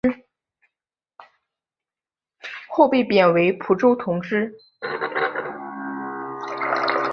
后被贬为蒲州同知。